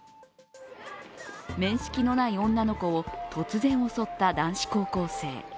面識のない女の子を突然襲った男子高校生。